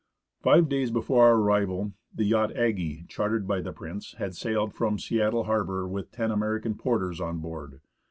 Five days before our arrival, the yacht Aggie, chartered by the Prince, had sailed from Seattle harbour with ten American porters on board.